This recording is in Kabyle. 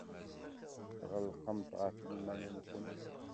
Tɣelqemt ɣef yiman-nwent.